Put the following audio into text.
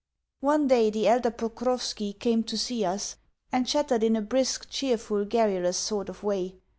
One day the elder Pokrovski came to see us, and chattered in a brisk, cheerful, garrulous sort of way.